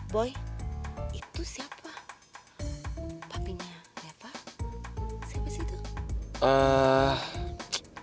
boy itu siapa papi ma reva siapa sih itu